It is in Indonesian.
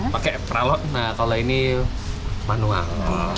pakai peralot nah kalau ini manual